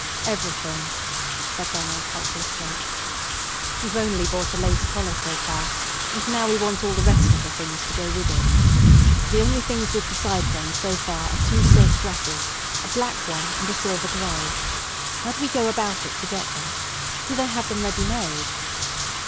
"Everything," said Donald helplessly. "We've only bought a lace collar so far, and now we want all the rest of the things to go with it. The only things we've decided on so far are two silk dresses, a black one and a silver gray. How do we go about it to get them? Do they have them ready made?"